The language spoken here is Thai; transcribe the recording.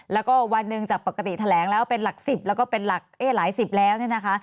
แล้วก็วันหนึ่งจากปกติแถลงแล้วเป็นหลัก๑๐แล้วก็เป็นหลักหลายสิบแล้วเนี่ยนะคะ